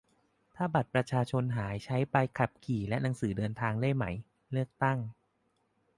ถ้าบัตรประชาชนหาย ใช้ใบขับขี่และหนังสือเดินทางได้ไหม ? เลือกตั้ง